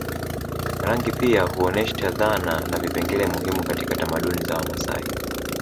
Rangi pia huonyesha dhana na vipengele muhimu katika tamaduni za Wamasai